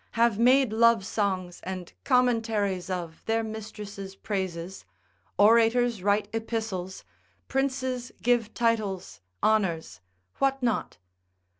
have made love songs and commentaries of their mistress' praises, orators write epistles, princes give titles, honours, what not?